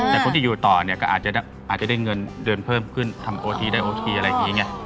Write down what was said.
แต่คนที่อยู่ต่อเนี่ยก็อาจจะได้เงินเดือนเพิ่มขึ้นทำโอทีได้โอทีอะไรอย่างนี้ไง